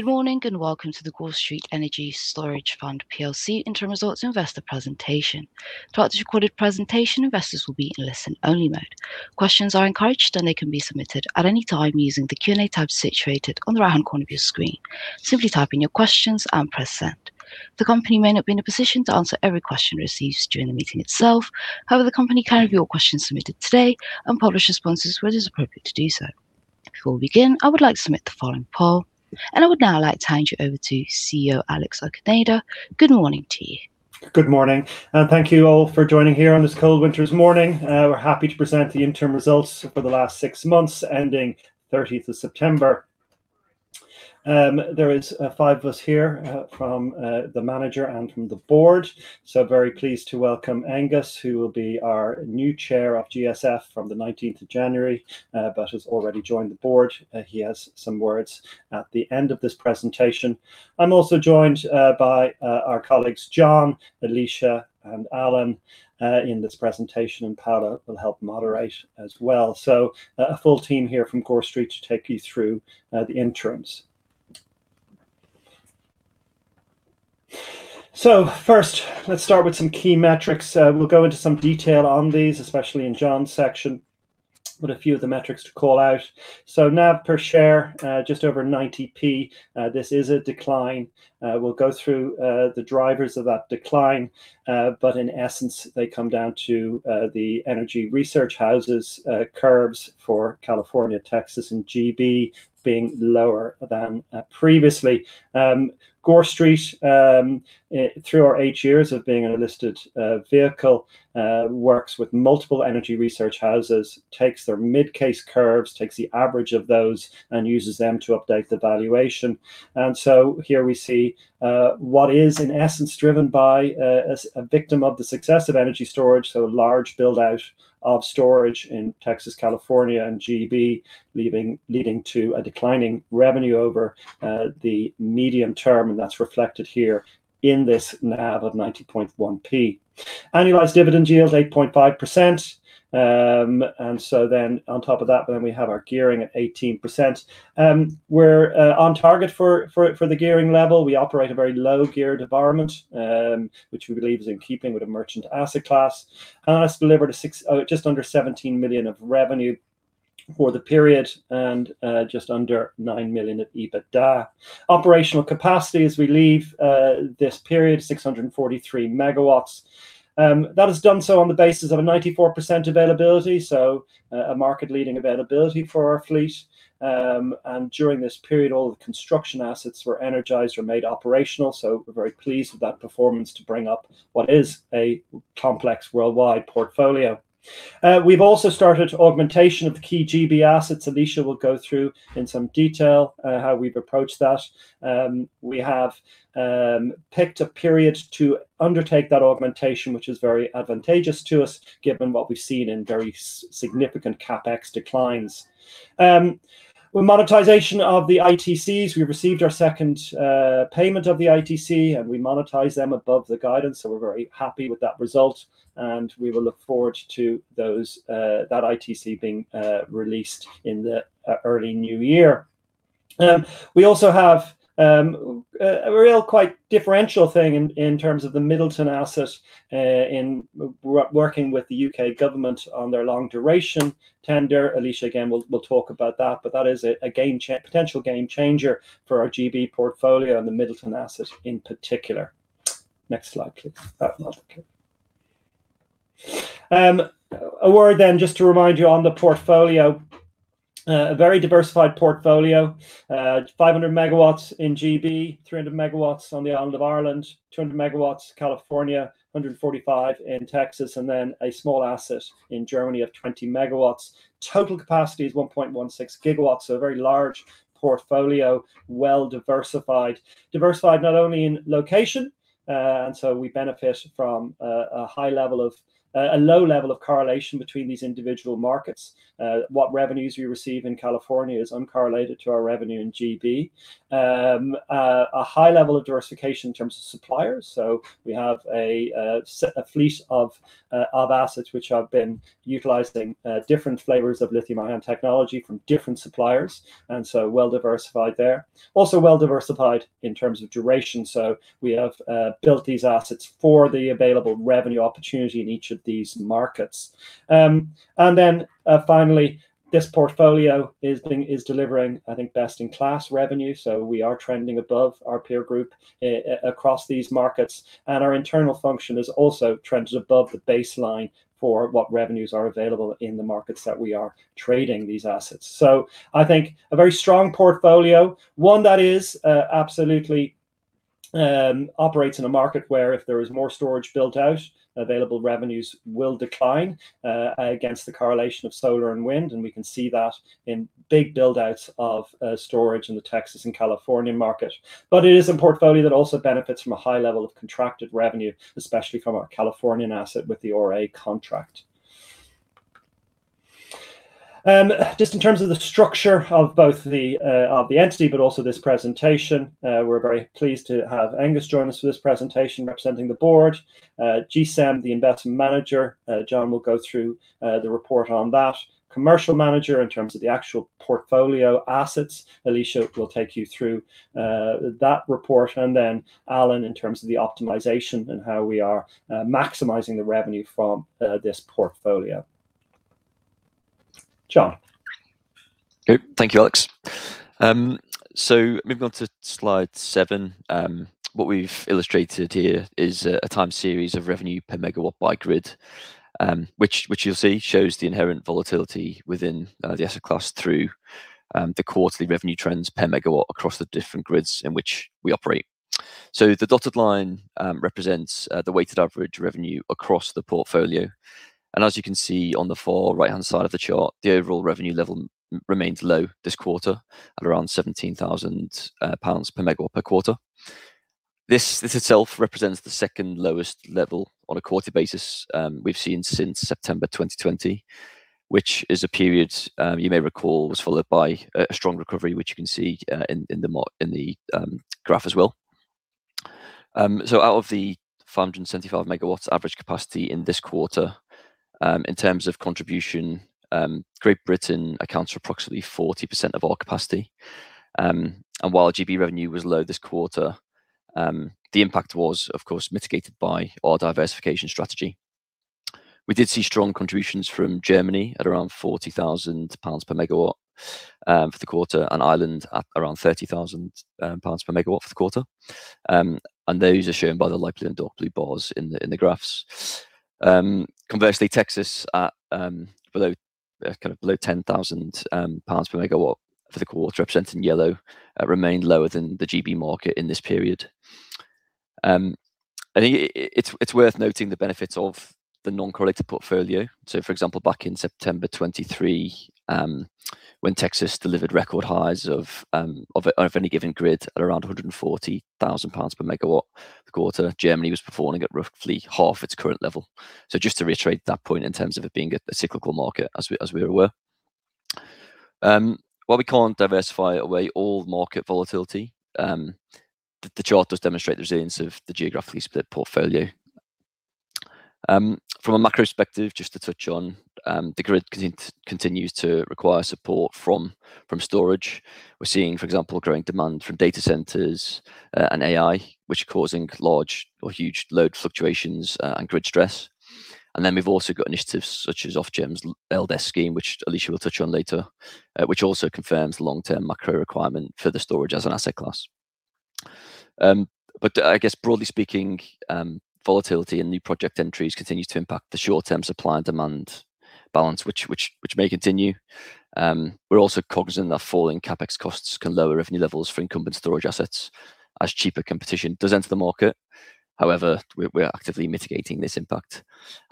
Good morning and welcome to the Gore Street Energy Storage Fund PLC Interim Results Investor Presentation. Throughout this recorded presentation, investors will be in listen-only mode. Questions are encouraged, and they can be submitted at any time using the Q&A tab situated on the right-hand corner of your screen. Simply type in your questions and press send. The company may not be in a position to answer every question received during the meeting itself; however, the company can review all questions submitted today and publish responses where it is appropriate to do so. Before we begin, I would like to submit the following poll, and I would now like to hand you over to CEO Alex O'Cinneide. Good morning to you. Good morning, and thank you all for joining here on this cold winter's morning. We're happy to present the interim results for the last six months ending 30th of September. There are five of us here from the manager and from the board, so very pleased to welcome Angus, who will be our new chair of GSF from the 19th of January, but has already joined the board. He has some words at the end of this presentation. I'm also joined by our colleagues John, Alicia, and Alan in this presentation, and Paolo will help moderate as well. A full team here from Gore Street to take you through the interims. First, let's start with some key metrics. We'll go into some detail on these, especially in John's section, but a few of the metrics to call out. NAV per share, just over 0.90. This is a decline. We'll go through the drivers of that decline, but in essence, they come down to the energy research houses curves for California, Texas, and GB being lower than previously. Gore Street, through our eight years of being a listed vehicle, works with multiple energy research houses, takes their mid-case curves, takes the average of those, and uses them to update the valuation, and so here we see what is, in essence, driven by a victim of the success of energy storage, so a large buildout of storage in Texas, California, and GB, leading to a declining revenue over the medium term, and that's reflected here in this NAV of 90.1p. Annualized dividend yield, 8.5%, and so then on top of that, then we have our gearing at 18%. We're on target for the gearing level. We operate a very low-geared environment, which we believe is in keeping with a merchant asset class, and that's delivered just under 17 million of revenue for the period and just under 9 million of EBITDA. Operational capacity, as we leave this period, 643 MW. That is done so on the basis of a 94% availability, so a market-leading availability for our fleet, and during this period, all of the construction assets were energized or made operational, so we're very pleased with that performance to bring up what is a complex worldwide portfolio. We've also started augmentation of the key GB assets. Alicia will go through in some detail how we've approached that. We have picked a period to undertake that augmentation, which is very advantageous to us given what we've seen in very significant CapEx declines. With monetization of the ITCs, we received our second payment of the ITC, and we monetize them above the guidance, so we're very happy with that result, and we will look forward to that ITC being released in the early new year. We also have a really quite differential thing in terms of the Middleton asset in working with the UK government on their long-duration tender. Alicia, again, will talk about that, but that is a potential game changer for our GB portfolio and the Middleton asset in particular. Next slide, please. A word then, just to remind you on the portfolio, a very diversified portfolio, 500 MW in GB, 300 MW on the island of Ireland, 200 MW California, 145 in Texas, and then a small asset in Germany of 20 MW. Total capacity is 1.16 GW, so a very large portfolio, well-diversified. Diversified not only in location, and so we benefit from a low level of correlation between these individual markets. What revenues we receive in California is uncorrelated to our revenue in GB. A high level of diversification in terms of suppliers, so we have a fleet of assets which have been utilizing different flavors of lithium-ion technology from different suppliers, and so well-diversified there. Also well-diversified in terms of duration, so we have built these assets for the available revenue opportunity in each of these markets. And then finally, this portfolio is delivering, I think, best-in-class revenue, so we are trending above our peer group across these markets, and our internal function is also trending above the baseline for what revenues are available in the markets that we are trading these assets. I think a very strong portfolio, one that absolutely operates in a market where if there is more storage built out, available revenues will decline against the correlation of solar and wind, and we can see that in big buildouts of storage in the Texas and California market. But it is a portfolio that also benefits from a high level of contracted revenue, especially from our Californian asset with the ORA contract. Just in terms of the structure of both the entity, but also this presentation, we're very pleased to have Angus join us for this presentation representing the board. GSAM, the investment manager, John will go through the report on that. Commercial manager in terms of the actual portfolio assets, Alicia will take you through that report, and then Alan in terms of the optimization and how we are maximizing the revenue from this portfolio. John. Thank you, Alex. So moving on to slide seven, what we've illustrated here is a time series of revenue per MW by grid, which you'll see shows the inherent volatility within the asset class through the quarterly revenue trends per MW across the different grids in which we operate. So the dotted line represents the weighted average revenue across the portfolio. And as you can see on the far right-hand side of the chart, the overall revenue level remains low this quarter at around £17,000 per MW per quarter. This itself represents the second lowest level on a quarterly basis we've seen since September 2020, which is a period you may recall was followed by a strong recovery, which you can see in the graph as well. So out of the 575 MW average capacity in this quarter, in terms of contribution, Great Britain accounts for approximately 40% of our capacity. And while GB revenue was low this quarter, the impact was, of course, mitigated by our diversification strategy. We did see strong contributions from Germany at around 40,000 pounds per MW for the quarter and Ireland at around 30,000 pounds per MW for the quarter. And those are shown by the light blue and dark blue bars in the graphs. Conversely, Texas at kind of below 10,000 pounds per MW for the quarter, represented in yellow, remained lower than the GB market in this period. I think it's worth noting the benefits of the non-correlated portfolio. So for example, back in September 2023, when Texas delivered record highs of any given grid at around 140,000 pounds per MW per quarter, Germany was performing at roughly half its current level. So just to reiterate that point in terms of it being a cyclical market as we were. While we can't diversify away all market volatility, the chart does demonstrate the resilience of the geographically split portfolio. From a macro perspective, just to touch on, the grid continues to require support from storage. We're seeing, for example, growing demand from data centers and AI, which are causing large or huge load fluctuations and grid stress. And then we've also got initiatives such as Ofgem's LDES scheme, which Alicia will touch on later, which also confirms long-term macro requirement for the storage as an asset class. But I guess, broadly speaking, volatility and new project entries continue to impact the short-term supply and demand balance, which may continue. We're also cognizant that falling CapEx costs can lower revenue levels for incumbent storage assets as cheaper competition does enter the market. However, we're actively mitigating this impact,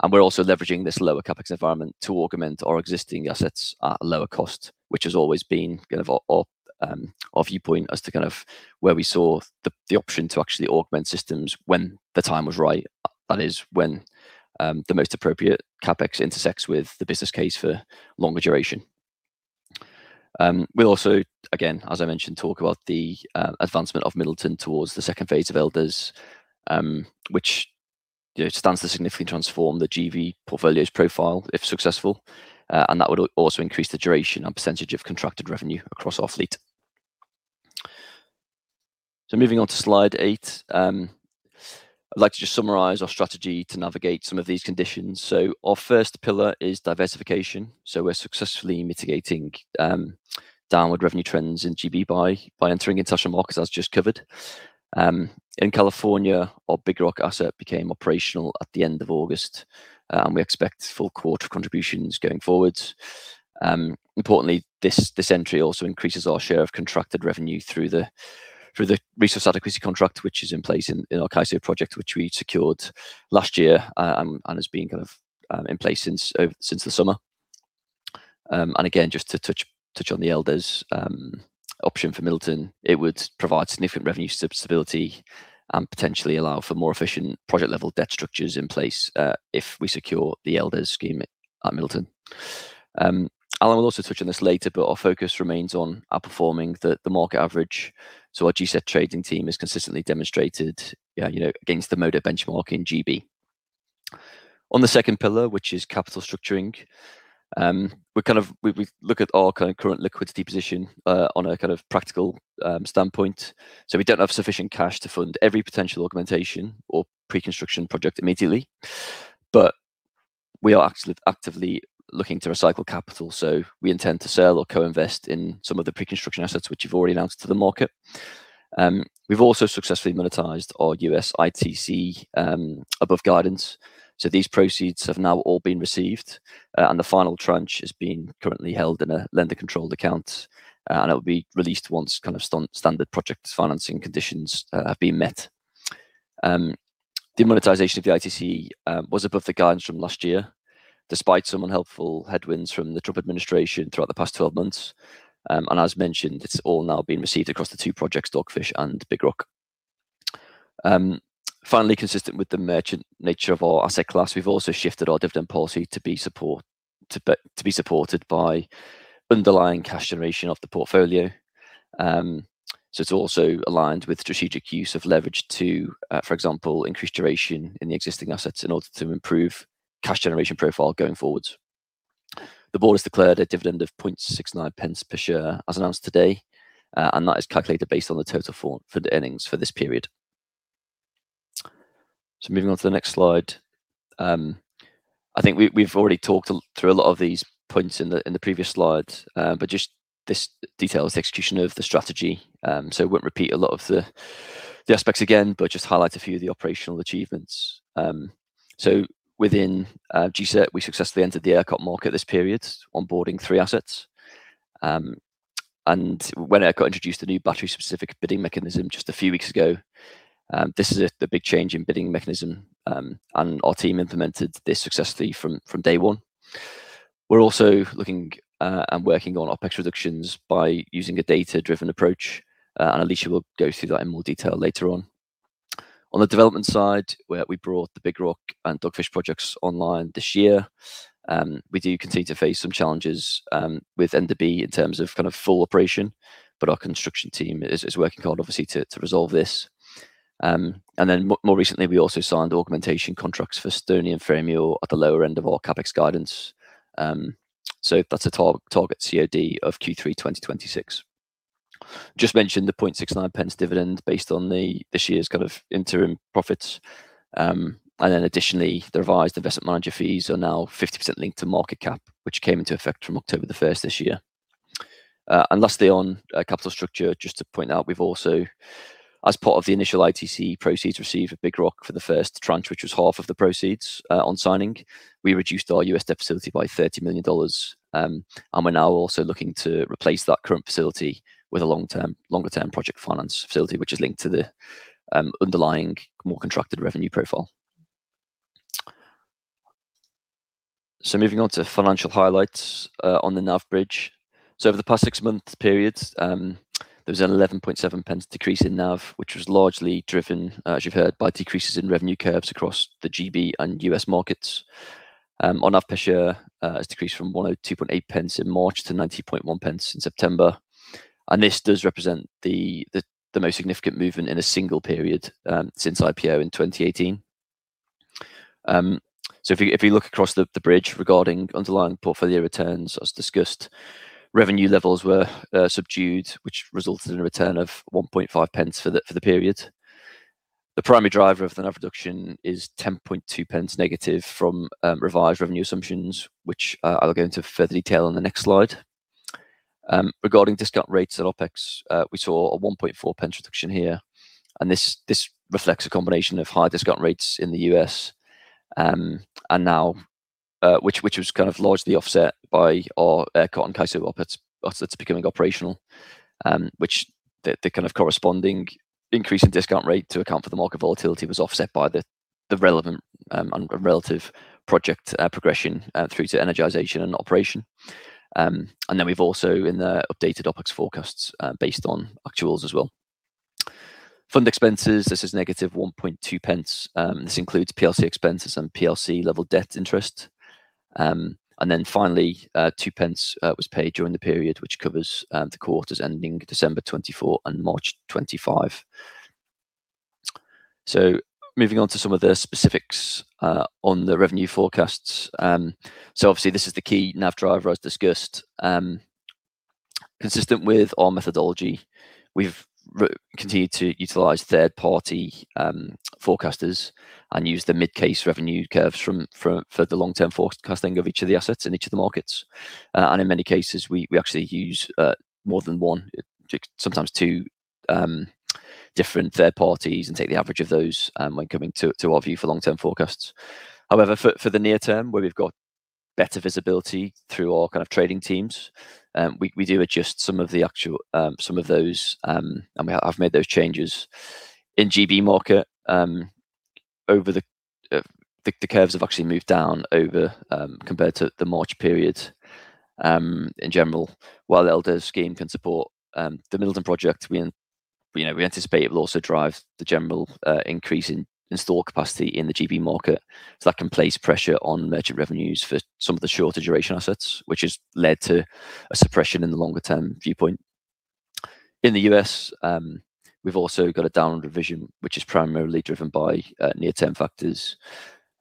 and we're also leveraging this lower CapEx environment to augment our existing assets at a lower cost, which has always been kind of our viewpoint as to kind of where we saw the option to actually augment systems when the time was right, that is, when the most appropriate CapEx intersects with the business case for longer duration. We'll also, again, as I mentioned, talk about the advancement of Middleton towards the second phase of LDES, which stands to significantly transform the GSF portfolio's profile if successful, and that would also increase the duration and percentage of contracted revenue across our fleet, so moving on to slide eight, I'd like to just summarize our strategy to navigate some of these conditions, so our first pillar is diversification. So we're successfully mitigating downward revenue trends in GB by entering in such a market as just covered. In California, our Big Rock asset became operational at the end of August, and we expect full quarter contributions going forward. Importantly, this entry also increases our share of contracted revenue through the resource adequacy contract, which is in place in our CAISO project, which we secured last year and has been kind of in place since the summer. And again, just to touch on the Elders option for Middleton, it would provide significant revenue stability and potentially allow for more efficient project-level debt structures in place if we secure the Elders scheme at Middleton. Alan will also touch on this later, but our focus remains on outperforming the market average. So our GSAM trading team has consistently demonstrated against the Modo benchmarking GB. On the second pillar, which is capital structuring, we look at our current liquidity position on a kind of practical standpoint, so we don't have sufficient cash to fund every potential augmentation or pre-construction project immediately, but we are actively looking to recycle capital, so we intend to sell or co-invest in some of the pre-construction assets, which you've already announced to the market. We've also successfully monetized our U.S. ITC above guidance, so these proceeds have now all been received, and the final tranche is being currently held in a lender-controlled account, and it will be released once kind of standard project financing conditions have been met. The monetization of the ITC was above the guidance from last year, despite some unhelpful headwinds from the Trump administration throughout the past 12 months, and as mentioned, it's all now being received across the two projects, Dogfish and Big Rock. Finally, consistent with the merchant nature of our asset class, we've also shifted our dividend policy to be supported by underlying cash generation of the portfolio. So it's also aligned with strategic use of leverage to, for example, increase duration in the existing assets in order to improve cash generation profile going forwards. The board has declared a dividend of 0.69 pence per share as announced today, and that is calculated based on the total fund earnings for this period. So moving on to the next slide, I think we've already talked through a lot of these points in the previous slides, but just this details the execution of the strategy. So I won't repeat a lot of the aspects again, but just highlight a few of the operational achievements. So within GSAM, we successfully entered the ERCOT market this period onboarding three assets. When it got introduced, a new battery-specific bidding mechanism just a few weeks ago, this is the big change in bidding mechanism, and our team implemented this successfully from day one. We're also looking and working on OpEx reductions by using a data-driven approach, and Alicia will go through that in more detail later on. On the development side, we brought the Big Rock and Dogfish projects online this year. We do continue to face some challenges with Enderby in terms of kind of full operation, but our construction team is working hard, obviously, to resolve this. Then more recently, we also signed augmentation contracts for Stony and Ferrymuir at the lower end of our CapEx guidance. So that's a target COD of Q3 2026. Just mentioned the 0.69 pence dividend based on this year's kind of interim profits. Then additionally, the revised investment manager fees are now 50% linked to market cap, which came into effect from October the 1st this year. Lastly, on capital structure, just to point out, we've also, as part of the initial ITC proceeds, received at Big Rock for the first tranche, which was half of the proceeds on signing. We reduced our US debt facility by $30 million, and we're now also looking to replace that current facility with a longer-term project finance facility, which is linked to the underlying more contracted revenue profile. Moving on to financial highlights on the NAV bridge. Over the past six-month period, there was an 11.7 pence decrease in NAV, which was largely driven, as you've heard, by decreases in revenue curves across the GB and US markets. On average, it has decreased from 1.028 to 0.901 in March to September. And this does represent the most significant movement in a single period since IPO in 2018. So if we look across the bridge regarding underlying portfolio returns, as discussed, revenue levels were subdued, which resulted in a return of 0.015 for the period. The primary driver of the NAV reduction is 0.102 negative from revised revenue assumptions, which I'll go into further detail on the next slide. Regarding discount rates at OpEx, we saw a 0.014 reduction here, and this reflects a combination of high discount rates in the US, which was kind of largely offset by our ERCOT and CAISO assets becoming operational, which the kind of corresponding increase in discount rate to account for the market volatility was offset by the relevant and relative project progression through to energization and operation. Then we've also in the updated OpEx forecasts based on actuals as well. Fund expenses, this is negative 0.012. This includes PLC expenses and PLC level debt interest. Finally, 0.02 was paid during the period, which covers the quarters ending December 2024 and March 2025. Moving on to some of the specifics on the revenue forecasts. Obviously, this is the key NAV driver as discussed. Consistent with our methodology, we've continued to utilize third-party forecasters and use the mid-case revenue curves for the long-term forecasting of each of the assets in each of the markets. And in many cases, we actually use more than one, sometimes two different third parties and take the average of those when coming to our view for long-term forecasts. However, for the near term, where we've got better visibility through our kind of trading teams, we do adjust some of those, and we have made those changes. In GB market, the curves have actually moved down compared to the March period in general. While LDES scheme can support the Middleton project, we anticipate it will also drive the general increase in storage capacity in the GB market. So that can place pressure on merchant revenues for some of the shorter duration assets, which has led to a suppression in the longer-term viewpoint. In the US, we've also got a downward revision, which is primarily driven by near-term factors.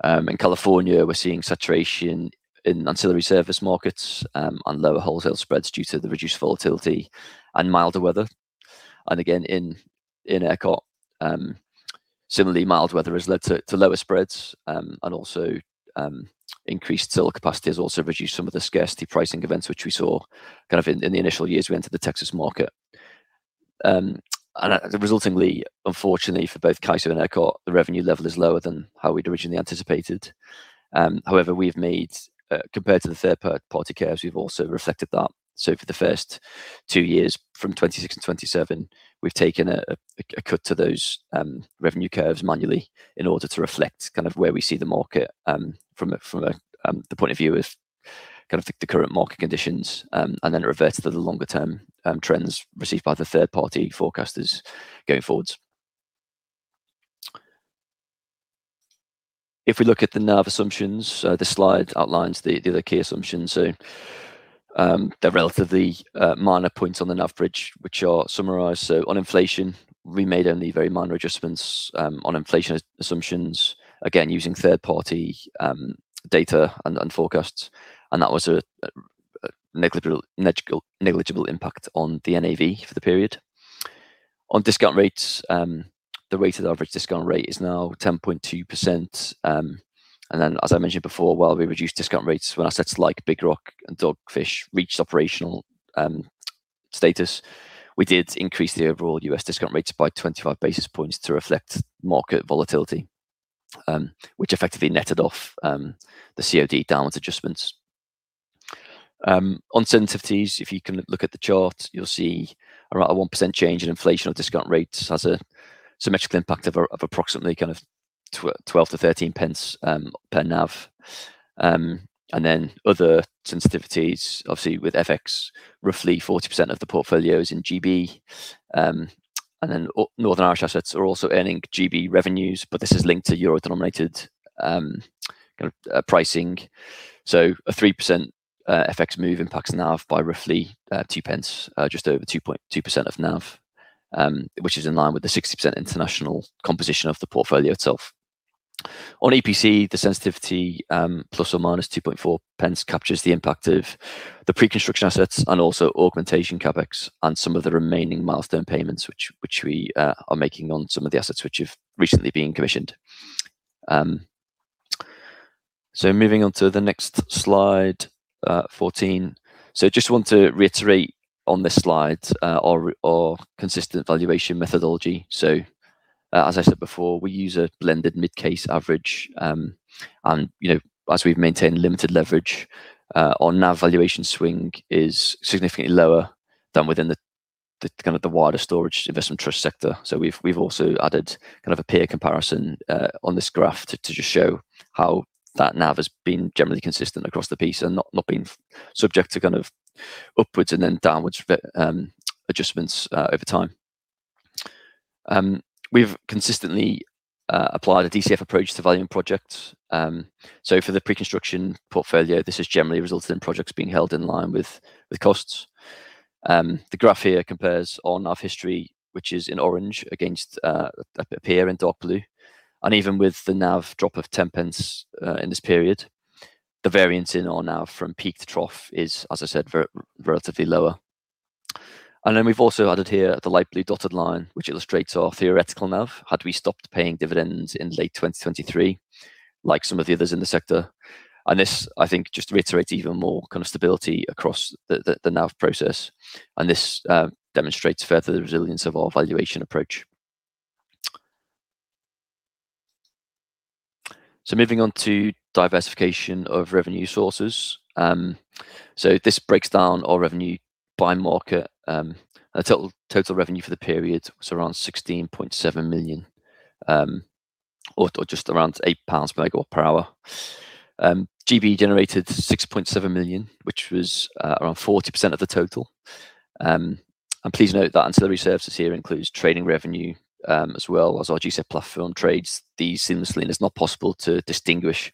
In California, we're seeing saturation in ancillary service markets and lower wholesale spreads due to the reduced volatility and milder weather. And again, in ERCOT, similarly, mild weather has led to lower spreads, and also increased solar capacity has also reduced some of the scarcity pricing events, which we saw kind of in the initial years we entered the Texas market. And resultingly, unfortunately, for both CAISO and ERCOT, the revenue level is lower than how we'd originally anticipated. However, we've made, compared to the third-party curves, we've also reflected that. So for the first two years from 2026 and 2027, we've taken a cut to those revenue curves manually in order to reflect kind of where we see the market from the point of view of kind of the current market conditions and then revert to the longer-term trends received by the third-party forecasters going forwards. If we look at the NAV assumptions, the slide outlines the other key assumptions. So they're relatively minor points on the NAV bridge, which are summarized. So on inflation, we made only very minor adjustments on inflation assumptions, again, using third-party data and forecasts. And that was a negligible impact on the NAV for the period. On discount rates, the rate of average discount rate is now 10.2%. And then, as I mentioned before, while we reduced discount rates, when assets like Big Rock and Dogfish reached operational status, we did increase the overall U.S. discount rates by 25 basis points to reflect market volatility, which effectively netted off the COD downwards adjustments. On sensitivities, if you can look at the chart, you'll see around a 1% change in inflation of discount rates has a symmetrical impact of approximately kind of 12-13 pence per NAV. And then other sensitivities, obviously, with FX, roughly 40% of the portfolio is in GB. And then Northern Irish assets are also earning GB revenues, but this is linked to euro-denominated pricing. So a 3% FX move impacts NAV by roughly 2 pence, just over 2% of NAV, which is in line with the 60% international composition of the portfolio itself. On EPC, the sensitivity plus or minus 0.024 captures the impact of the pre-construction assets and also augmentation CapEx and some of the remaining milestone payments which we are making on some of the assets which have recently been commissioned. Moving on to the next slide 14. Just want to reiterate on this slide our consistent valuation methodology. As I said before, we use a blended mid-case average. We've maintained limited leverage, our NAV valuation swing is significantly lower than within the kind of the wider storage investment trust sector. We've also added kind of a peer comparison on this graph to just show how that NAV has been generally consistent across the piece and not been subject to kind of upwards and then downwards adjustments over time. We've consistently applied a DCF approach to valuing projects. So for the pre-construction portfolio, this has generally resulted in projects being held in line with costs. The graph here compares our NAV history, which is in orange against a peer in dark blue. And even with the NAV drop of 10 pence in this period, the variance in our NAV from peak to trough is, as I said, relatively lower. And then we've also added here the light blue dotted line, which illustrates our theoretical NAV had we stopped paying dividends in late 2023, like some of the others in the sector. And this, I think, just reiterates even more kind of stability across the NAV process. And this demonstrates further the resilience of our valuation approach. So moving on to diversification of revenue sources. So this breaks down our revenue by market. The total revenue for the period was around 16.7 million or just around £8 per MW per hour. GB generated 6.7 million, which was around 40% of the total. And please note that ancillary services here includes trading revenue as well as our GSAM platform trades these seamlessly. And it's not possible to distinguish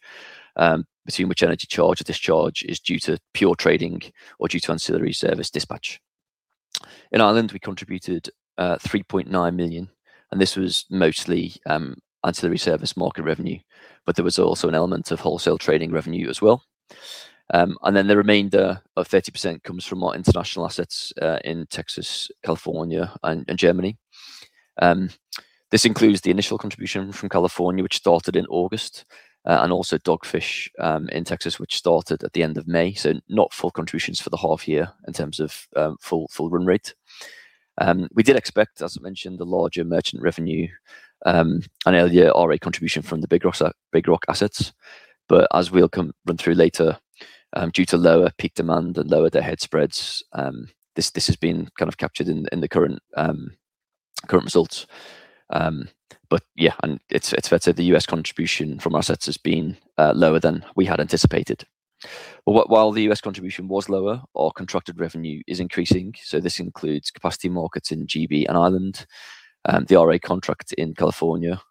between which energy charge or discharge is due to pure trading or due to ancillary service dispatch. In Ireland, we contributed 3.9 million. And this was mostly ancillary service market revenue, but there was also an element of wholesale trading revenue as well. And then the remainder of 30% comes from our international assets in Texas, California, and Germany. This includes the initial contribution from California, which started in August, and also Dogfish in Texas, which started at the end of May. So not full contributions for the half year in terms of full run rate. We did expect, as mentioned, the larger merchant revenue and earlier RA contribution from the Big Rock assets, but as we'll run through later, due to lower peak demand and lower day-ahead spreads, this has been kind of captured in the current results, but yeah, and it's fair to say the US contribution from assets has been lower than we had anticipated. While the US contribution was lower, our contracted revenue is increasing, so this includes capacity markets in GB and Ireland, the RA contract in California,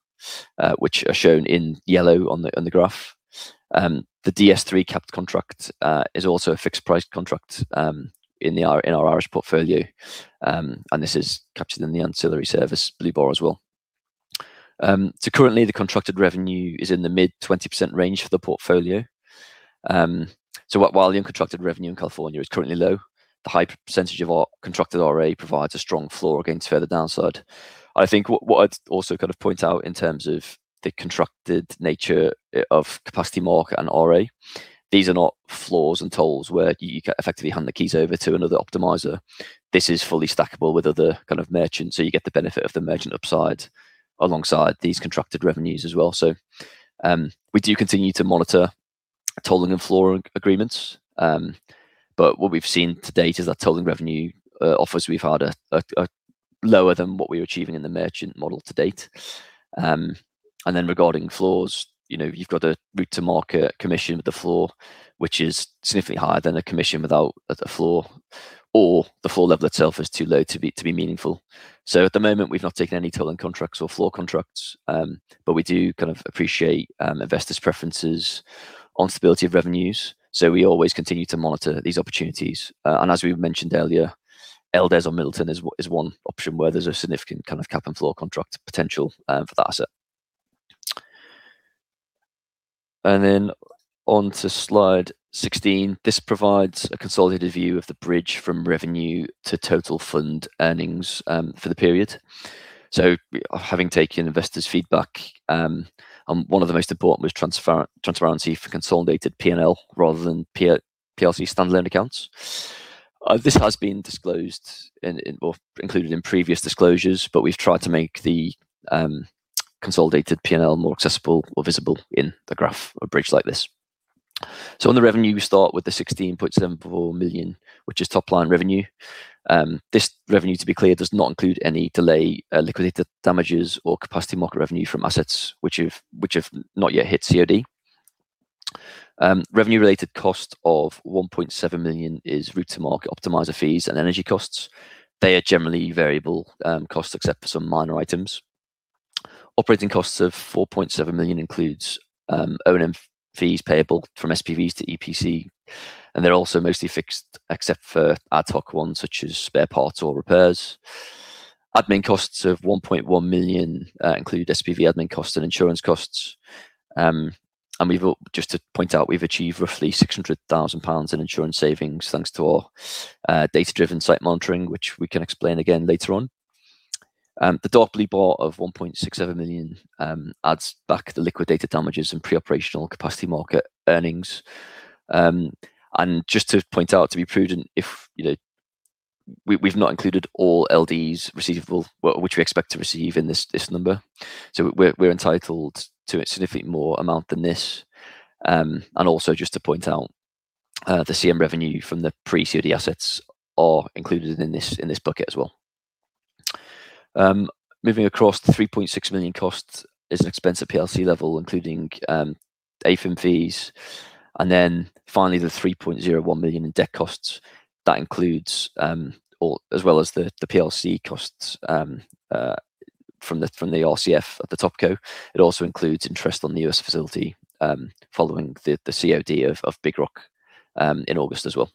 which are shown in yellow on the graph. The DS3 capped contract is also a fixed price contract in our Irish portfolio, and this is captured in the ancillary service blue bar as well, so currently, the contracted revenue is in the mid-20% range for the portfolio. So while the uncontracted revenue in California is currently low, the high percentage of our contracted RA provides a strong floor against further downside. I think what I'd also kind of point out in terms of the contracted nature of capacity market and RA, these are not floors and tolling where you effectively hand the keys over to another optimizer. This is fully stackable with other kind of merchants. So you get the benefit of the merchant upside alongside these contracted revenues as well. So we do continue to monitor tolling and floor agreements. But what we've seen to date is that tolling revenue offers we've had are lower than what we're achieving in the merchant model to date. And then regarding floors, you've got a route to market commission with the floor, which is significantly higher than a commission without a floor, or the floor level itself is too low to be meaningful. So at the moment, we've not taken any tolling contracts or floor contracts, but we do kind of appreciate investors' preferences on stability of revenues. So we always continue to monitor these opportunities. And as we mentioned earlier, LDES or Middleton is one option where there's a significant kind of cap and floor contract potential for that asset. And then on to slide 16, this provides a consolidated view of the bridge from revenue to total fund earnings for the period. So having taken investors' feedback, one of the most important was transparency for consolidated P&L rather than PLC standalone accounts. This has been disclosed or included in previous disclosures, but we've tried to make the consolidated P&L more accessible or visible in the graph or bridge like this. So on the revenue, we start with the 16.74 million, which is top-line revenue. This revenue, to be clear, does not include any delay liquidated damages or capacity market revenue from assets which have not yet hit COD. Revenue-related cost of 1.7 million is route to market optimizer fees and energy costs. They are generally variable costs except for some minor items. Operating costs of 4.7 million includes O&M fees payable from SPVs to EPC, and they're also mostly fixed except for ad hoc ones such as spare parts or repairs. Admin costs of 1.1 million include SPV admin costs and insurance costs. Just to point out, we've achieved roughly 600,000 pounds in insurance savings thanks to our data-driven site monitoring, which we can explain again later on. The dark blue bar of 1.67 million adds back the liquidated damages and pre-operational capacity market earnings. Just to point out, to be prudent, we've not included all LDs receivable, which we expect to receive in this number. We're entitled to a significantly more amount than this. Also just to point out, the CM revenue from the pre-COD assets are included in this bucket as well. Moving across, the 3.6 million cost is an expense at the PLC level, including AFIM fees. Then finally, the 3.01 million in debt costs, that includes as well as the PLC costs from the RCF at the top co. It also includes interest on the U.S. facility following the COD of Big Rock in August as well.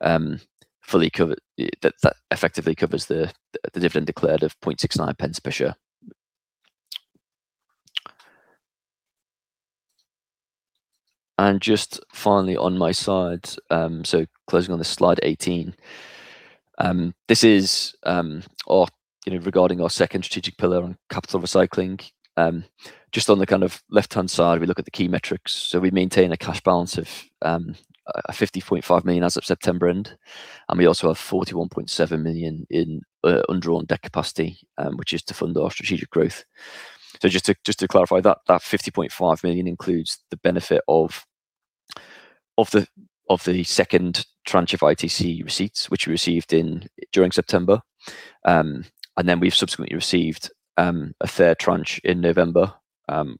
This results in total fund earnings of GBP 3.5 million, which effectively covers the dividend declared of 0.0069 per share. And just finally on my side, closing on this slide 18, this is regarding our second strategic pillar on capital recycling. Just on the kind of left-hand side, we look at the key metrics. We maintain a cash balance of 50.5 million as of September end. And we also have 41.7 million in undrawn debt capacity, which is to fund our strategic growth. Just to clarify that, that 50.5 million includes the benefit of the second tranche of ITC receipts, which we received during September. And then we've subsequently received a third tranche in November,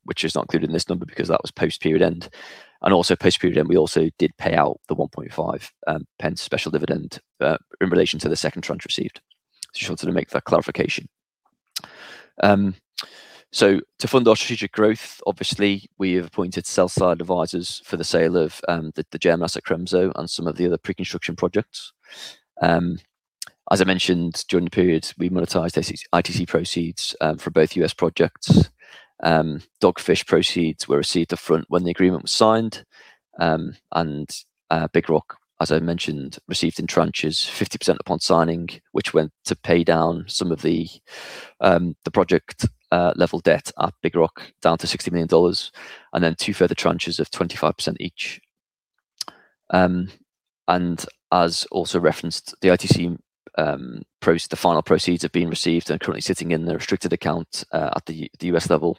which is not included in this number because that was post-period end. And also post-period end, we also did pay out the 0.015 special dividend in relation to the second tranche received. So shortly to make that clarification. So to fund our strategic growth, obviously, we have appointed sell-side advisors for the sale of the German asset Cremzow and some of the other pre-construction projects. As I mentioned, during the period, we monetized ITC proceeds for both U.S. projects. Dogfish proceeds were received upfront when the agreement was signed. And Big Rock, as I mentioned, received in tranches 50% upon signing, which went to pay down some of the project-level debt at Big Rock down to $60 million. And then two further tranches of 25% each. And as also referenced, the ITC proceeds, the final proceeds have been received and currently sitting in the restricted account at the U.S. level.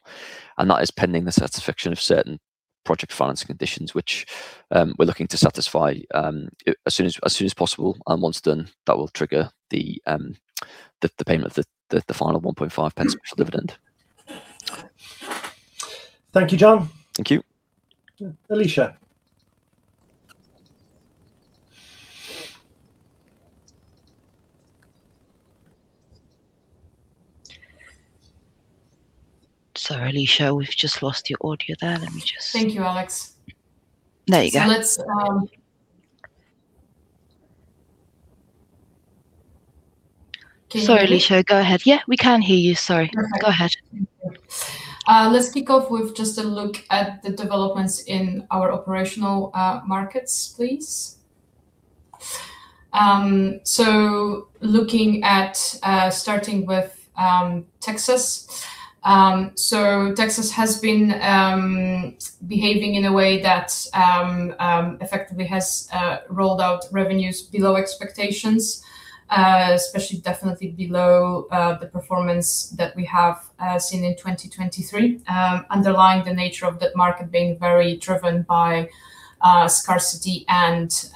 That is pending the satisfaction of certain project financing conditions, which we're looking to satisfy as soon as possible. And once done, that will trigger the payment of the final 0.015 special dividend. Thank you, John. Thank you. Alicia. Sorry, Alicia, we've just lost your audio there. Let me just. Thank you, Alex. There you go. So let's. Sorry, Alicia, go ahead. Yeah, we can hear you. Sorry. Go ahead. Let's kick off with just a look at the developments in our operational markets, please. So looking at starting with Texas. So Texas has been behaving in a way that effectively has rolled out revenues below expectations, especially definitely below the performance that we have seen in 2023, underlying the nature of the market being very driven by scarcity and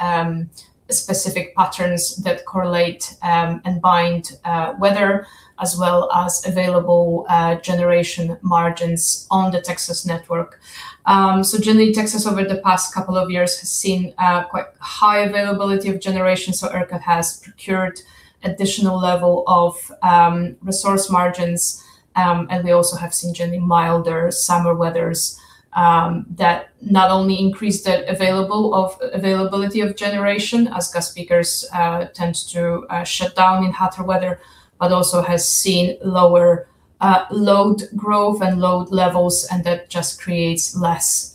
specific patterns that correlate and bind weather, as well as available generation margins on the Texas network. Generally, Texas over the past couple of years has seen quite high availability of generation. ERCOT has procured additional level of resource margins. We also have seen generally milder summer weather that not only increase the availability of generation, as gas peakers tend to shut down in hotter weather, but also has seen lower load growth and load levels. That just creates less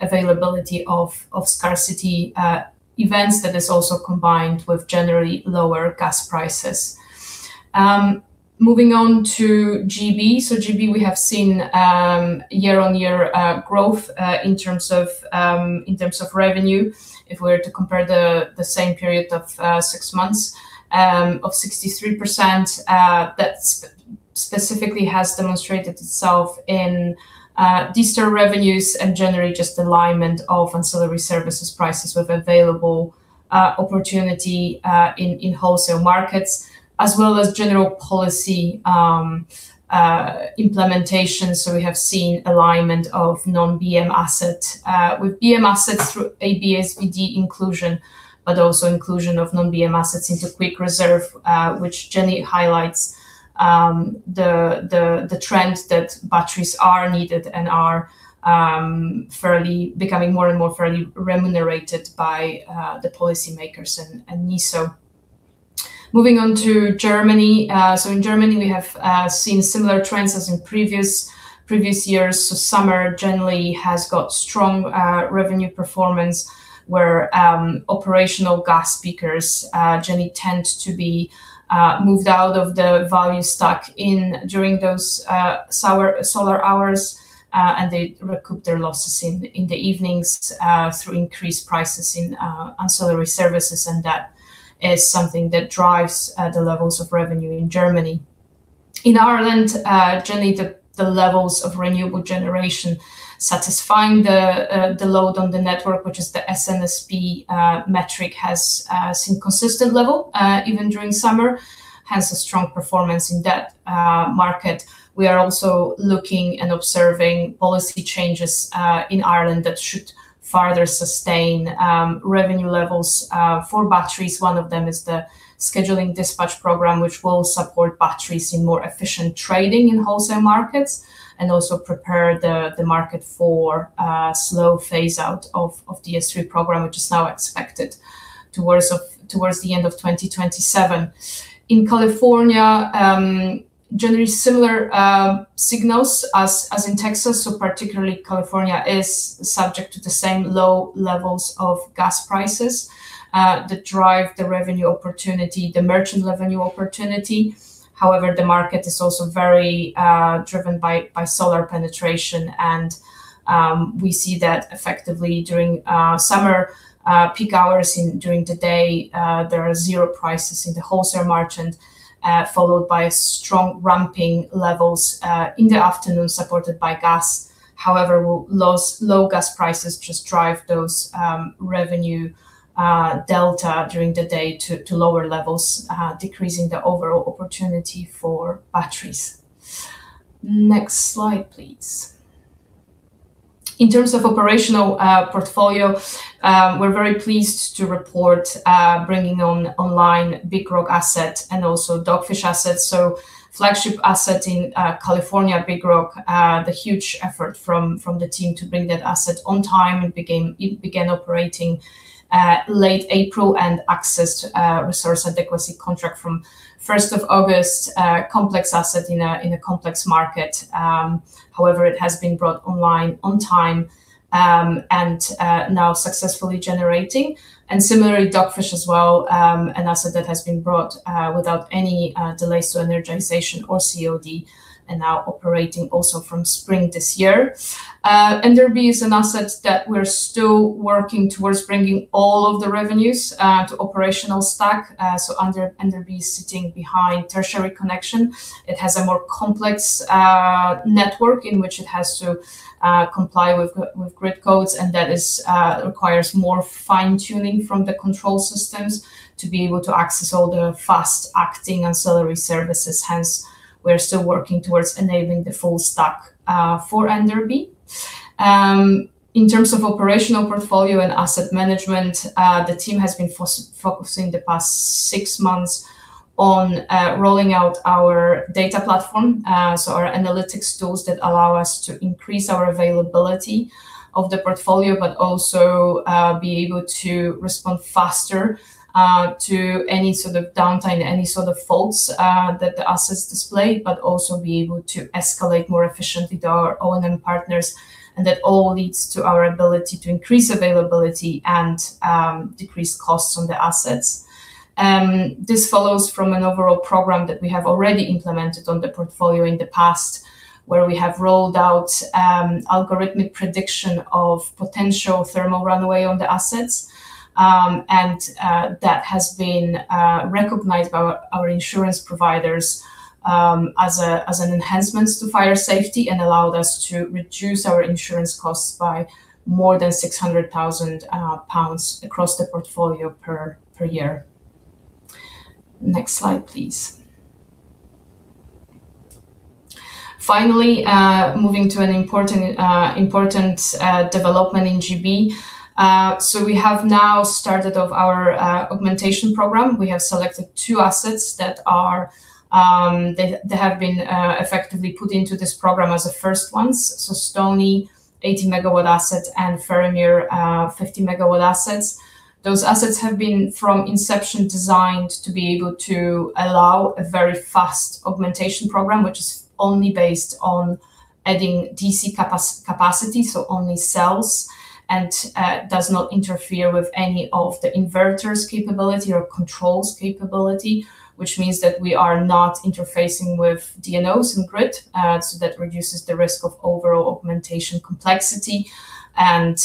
availability of scarcity events that is also combined with generally lower gas prices. Moving on to GB. GB, we have seen year-on-year growth in terms of revenue. If we were to compare the same period of six months of 63%, that specifically has demonstrated itself in utilized revenues and generally just alignment of ancillary services prices with available opportunity in wholesale markets, as well as general policy implementation. We have seen alignment of non-BM assets with BM assets through ABSVD inclusion, but also inclusion of non-BM assets into quick reserve, which generally highlights the trend that batteries are needed and are becoming more and more fairly remunerated by the policymakers and NESO. Moving on to Germany. In Germany, we have seen similar trends as in previous years. Summer generally has got strong revenue performance where operational gas peakers generally tend to be moved out of the value stack during those solar hours. They recoup their losses in the evenings through increased prices in ancillary services. That is something that drives the levels of revenue in Germany. In Ireland, generally, the levels of renewable generation satisfying the load on the network, which is the SNSP metric, has seen consistent level even during summer, hence a strong performance in that market. We are also looking and observing policy changes in Ireland that should further sustain revenue levels for batteries. One of them is the scheduling dispatch program, which will support batteries in more efficient trading in wholesale markets and also prepare the market for slow phase-out of the DS3 program, which is now expected towards the end of 2027. In California, generally similar signals as in Texas, so particularly, California is subject to the same low levels of gas prices that drive the revenue opportunity, the merchant revenue opportunity. However, the market is also very driven by solar penetration, and we see that effectively during summer peak hours during the day, there are zero prices in the wholesale market, followed by strong ramping levels in the afternoon supported by gas. However, low gas prices just drive those revenue delta during the day to lower levels, decreasing the overall opportunity for batteries. Next slide, please. In terms of operational portfolio, we're very pleased to report bringing online Big Rock asset and also Dogfish assets, so flagship asset in California, Big Rock, the huge effort from the team to bring that asset on time. It began operating late April and accessed resource adequacy contract from 1st of August, complex asset in a complex market. However, it has been brought online on time and now successfully generating, and similarly, Dogfish as well, an asset that has been brought without any delays to energization or COD and now operating also from spring this year. NRB is an asset that we're still working towards bringing all of the revenues to operational stack, so NRB is sitting behind tertiary connection. It has a more complex network in which it has to comply with grid codes. And that requires more fine-tuning from the control systems to be able to access all the fast-acting ancillary services. Hence, we're still working towards enabling the full stack for NRB. In terms of operational portfolio and asset management, the team has been focusing the past six months on rolling out our data platform. So our analytics tools that allow us to increase our availability of the portfolio, but also be able to respond faster to any sort of downtime, any sort of faults that the assets display, but also be able to escalate more efficiently to our O&M partners. And that all leads to our ability to increase availability and decrease costs on the assets. This follows from an overall program that we have already implemented on the portfolio in the past, where we have rolled out algorithmic prediction of potential thermal runaway on the assets. That has been recognized by our insurance providers as an enhancement to fire safety and allowed us to reduce our insurance costs by more than 600,000 pounds across the portfolio per year. Next slide, please. Finally, moving to an important development in GB. We have now started our augmentation program. We have selected two assets that have been effectively put into this program as the first ones. Stony, 80 MW asset, and Ferrymuir, 50 MW assets. Those assets have been from inception designed to be able to allow a very fast augmentation program, which is only based on adding DC capacity, so only cells, and does not interfere with any of the inverters' capability or controls' capability, which means that we are not interfacing with DNOs and grid. So that reduces the risk of overall augmentation complexity and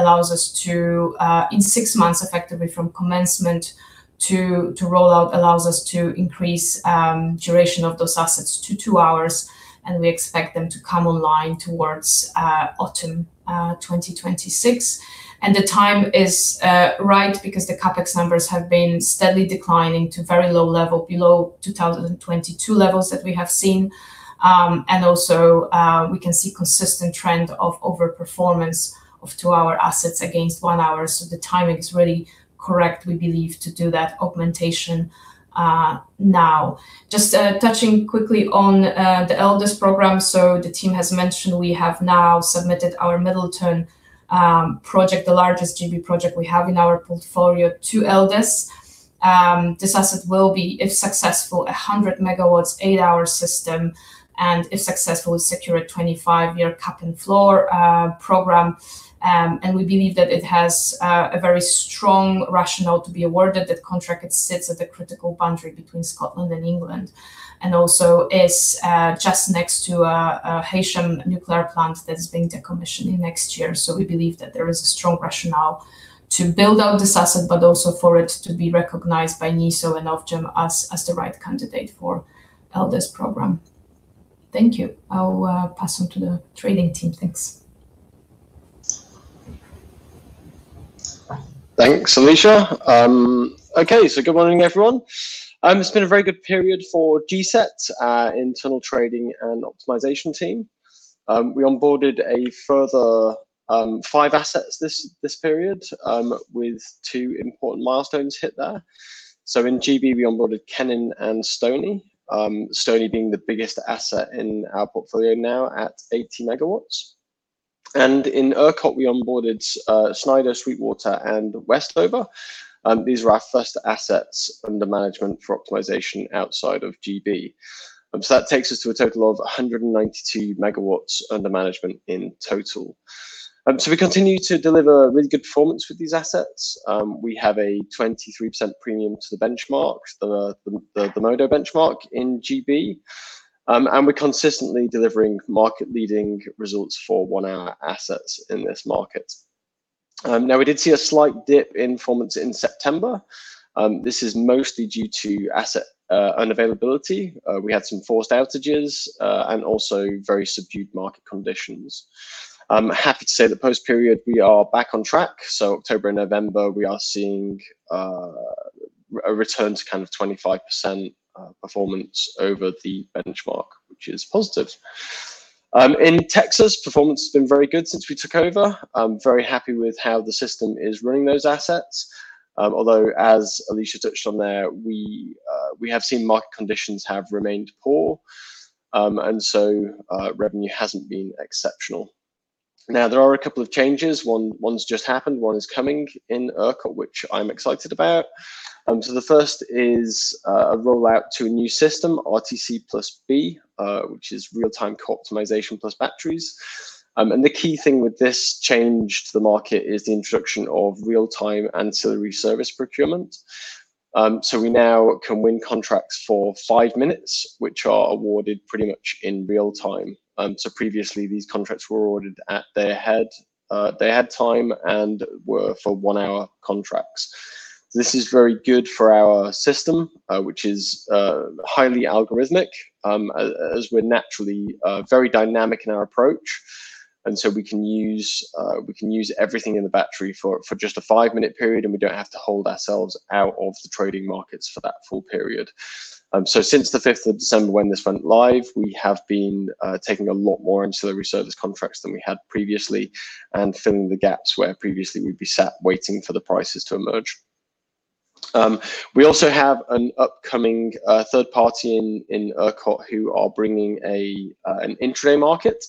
allows us to, in six months, effectively from commencement to rollout, allows us to increase duration of those assets to two hours. And we expect them to come online towards autumn 2026. And the time is right because the CapEx numbers have been steadily declining to very low level, below 2022 levels that we have seen. And also we can see a consistent trend of overperformance of two-hour assets against one-hour. So the timing is really correct, we believe, to do that augmentation now. Just touching quickly on the LDES program. So the team has mentioned we have now submitted our Middleton project, the largest GB project we have in our portfolio, to LDES. This asset will be, if successful, a 100-MW, eight-hour system. And if successful, we'll secure a 25-year cap and floor program. We believe that it has a very strong rationale to be awarded that contract that sits at the critical boundary between Scotland and England. It also is just next to a Heysham nuclear plant that is being decommissioned next year. We believe that there is a strong rationale to build out this asset, but also for it to be recognized by NESO and Ofgem as the right candidate for LDES program. Thank you. I'll pass on to the trading team. Thanks. Thanks, Alicia. Okay, good morning, everyone. It's been a very good period for GSET's internal trading and optimization team. We onboarded a further five assets this period with two important milestones hit there. In GB, we onboarded Cenin and Stony, Stony being the biggest asset in our portfolio now at 80 MW. In ERCOT, we onboarded Snyder, Sweetwater, and Westover. These were our first assets under management for optimization outside of GB, so that takes us to a total of 192 MW under management in total. So we continue to deliver really good performance with these assets. We have a 23% premium to the benchmark, the Modo benchmark in GB, and we're consistently delivering market-leading results for one-hour assets in this market. Now, we did see a slight dip in performance in September. This is mostly due to asset unavailability. We had some forced outages and also very subdued market conditions. Happy to say that post-period, we are back on track, so October and November, we are seeing a return to kind of 25% performance over the benchmark, which is positive. In Texas, performance has been very good since we took over. I'm very happy with how the system is running those assets. Although, as Alicia touched on there, we have seen market conditions have remained poor. And so revenue hasn't been exceptional. Now, there are a couple of changes. One's just happened. One is coming in ERCOT, which I'm excited about. So the first is a rollout to a new system, RTC+B, which is real-time co-optimization plus batteries. And the key thing with this change to the market is the introduction of real-time ancillary service procurement. So we now can win contracts for five minutes, which are awarded pretty much in real time. So previously, these contracts were awarded at their ahead time and were for one-hour contracts. This is very good for our system, which is highly algorithmic, as we're naturally very dynamic in our approach. And so we can use everything in the battery for just a five-minute period, and we don't have to hold ourselves out of the trading markets for that full period. So since the 5th of December, when this went live, we have been taking a lot more ancillary service contracts than we had previously and filling the gaps where previously we'd be sat waiting for the prices to emerge. We also have an upcoming third party in ERCOT who are bringing an intraday market.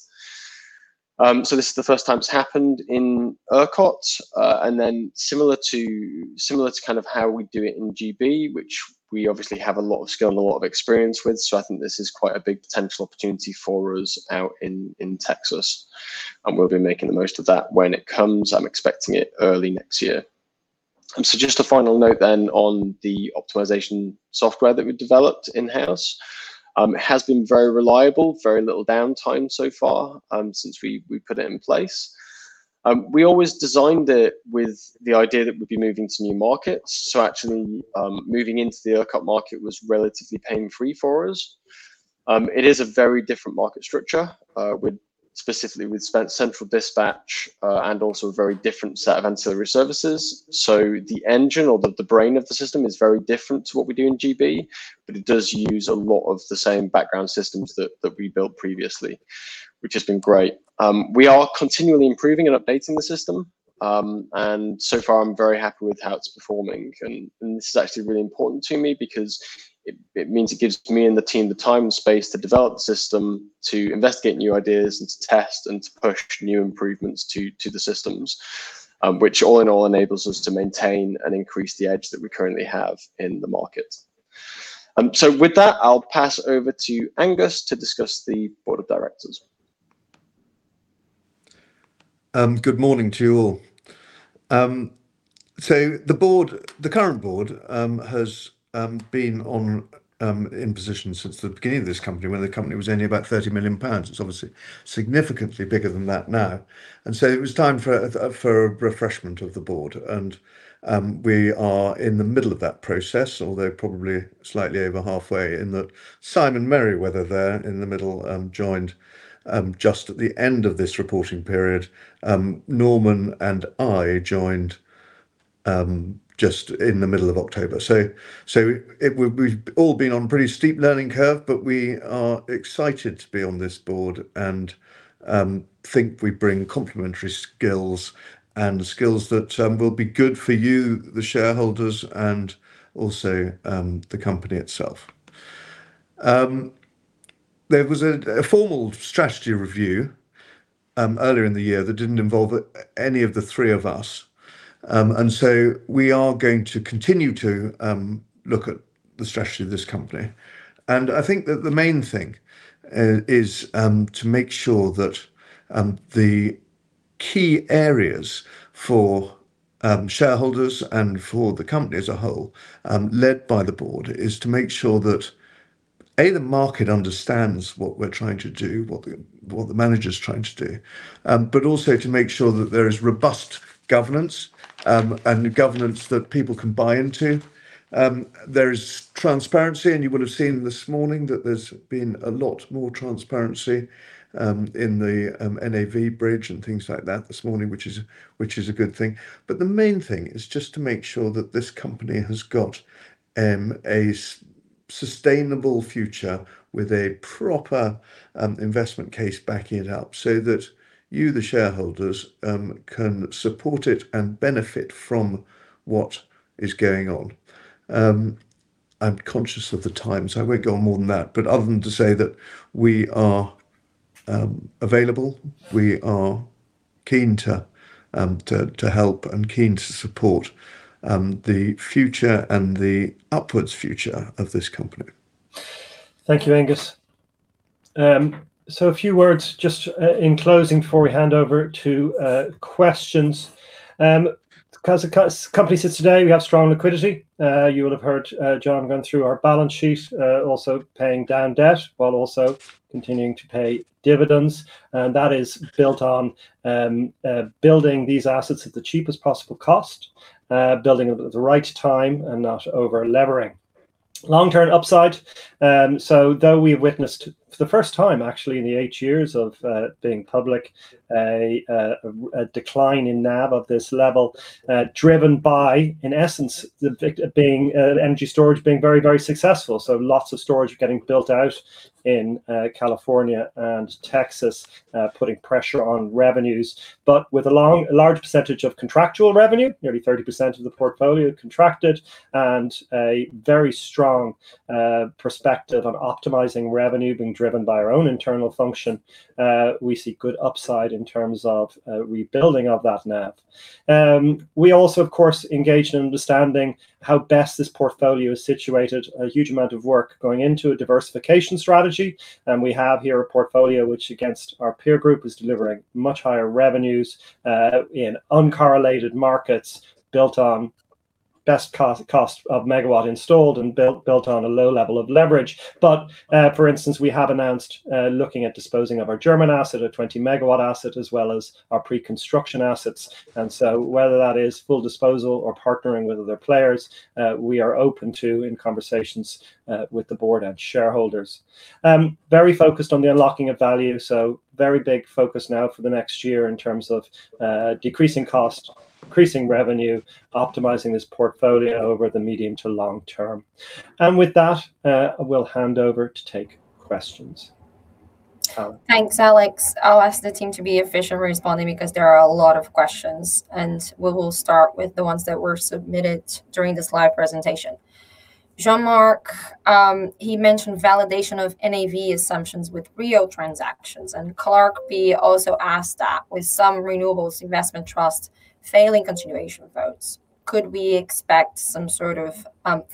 So this is the first time it's happened in ERCOT. And then similar to kind of how we do it in GB, which we obviously have a lot of skill and a lot of experience with. So I think this is quite a big potential opportunity for us out in Texas. And we'll be making the most of that when it comes. I'm expecting it early next year, so just a final note then on the optimization software that we've developed in-house. It has been very reliable, very little downtime so far since we put it in place. We always designed it with the idea that we'd be moving to new markets, so actually, moving into the ERCOT market was relatively pain-free for us. It is a very different market structure, specifically with SCED and also a very different set of ancillary services, so the engine or the brain of the system is very different to what we do in GB, but it does use a lot of the same background systems that we built previously, which has been great. We are continually improving and updating the system, and so far, I'm very happy with how it's performing. This is actually really important to me because it means it gives me and the team the time and space to develop the system, to investigate new ideas, and to test and to push new improvements to the systems, which all in all enables us to maintain and increase the edge that we currently have in the market. With that, I'll pass over to Angus to discuss the board of directors. Good morning to you all. The current board has been in position since the beginning of this company when the company was only about 30 million pounds. It's obviously significantly bigger than that now. It was time for a refreshment of the board. We are in the middle of that process, although probably slightly over halfway in that Simon Merriweather there in the middle joined just at the end of this reporting period. Norman and I joined just in the middle of October. So we've all been on a pretty steep learning curve, but we are excited to be on this board and think we bring complementary skills and skills that will be good for you, the shareholders, and also the company itself. There was a formal strategy review earlier in the year that didn't involve any of the three of us. And so we are going to continue to look at the strategy of this company. And I think that the main thing is to make sure that the key areas for shareholders and for the company as a whole, led by the board, is to make sure that, A, the market understands what we're trying to do, what the manager is trying to do, but also to make sure that there is robust governance and governance that people can buy into. There is transparency and you would have seen this morning that there's been a lot more transparency in the NAV bridge and things like that this morning, which is a good thing, but the main thing is just to make sure that this company has got a sustainable future with a proper investment case backing it up so that you, the shareholders, can support it and benefit from what is going on. I'm conscious of the time, so I won't go on more than that, but other than to say that we are available, we are keen to help and keen to support the future and the upwards future of this company. Thank you, Angus, so a few words just in closing before we hand over to questions. As the company sits today, we have strong liquidity. You will have heard John going through our balance sheet, also paying down debt while also continuing to pay dividends, and that is built on building these assets at the cheapest possible cost, building at the right time and not over-levering. Long-term upside, so though we have witnessed for the first time, actually, in the eight years of being public, a decline in NAV of this level driven by, in essence, energy storage being very, very successful, so lots of storage getting built out in California and Texas putting pressure on revenues, but with a large percentage of contractual revenue, nearly 30% of the portfolio contracted, and a very strong perspective on optimizing revenue being driven by our own internal function, we see good upside in terms of rebuilding of that NAV. We also, of course, engage in understanding how best this portfolio is situated, a huge amount of work going into a diversification strategy, and we have here a portfolio which, against our peer group, is delivering much higher revenues in uncorrelated markets built on best cost of MW installed and built on a low level of leverage, but for instance, we have announced looking at disposing of our German asset, a 20-MW asset, as well as our pre-construction assets, and so whether that is full disposal or partnering with other players, we are open to in conversations with the board and shareholders. Very focused on the unlocking of value, so very big focus now for the next year in terms of decreasing cost, increasing revenue, optimizing this portfolio over the medium to long term, and with that, we'll hand over to take questions. Thanks, Alex. I'll ask the team to be efficient responding because there are a lot of questions. And we will start with the ones that were submitted during this live presentation. Jean-Marc, he mentioned validation of NAV assumptions with real transactions. And Clark B also asked that with some renewables investment trust failing continuation votes, could we expect some sort of